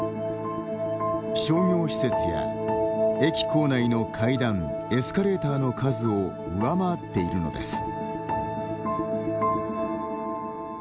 「商業施設」や「駅構内の階段・エスカレーター」の数を上回っているのです。